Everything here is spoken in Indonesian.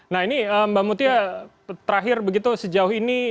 nah ini mbak mutia terakhir begitu sejauh ini